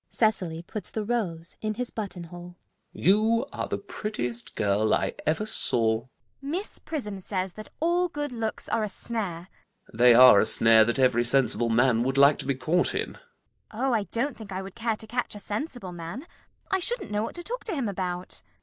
[Cecily puts the rose in his buttonhole.] You are the prettiest girl I ever saw. CECILY. Miss Prism says that all good looks are a snare. ALGERNON. They are a snare that every sensible man would like to be caught in. CECILY. Oh, I don't think I would care to catch a sensible man. I shouldn't know what to talk to him about.